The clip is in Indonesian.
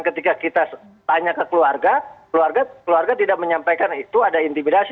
ketika kita tanya ke keluarga keluarga tidak menyampaikan itu ada intimidasi